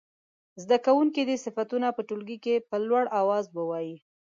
زده کوونکي دې صفتونه په ټولګي کې په لوړ اواز ووايي.